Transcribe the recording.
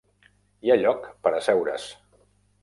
Hi ha lloc per asseure's.